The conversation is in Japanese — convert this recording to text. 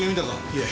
いえ。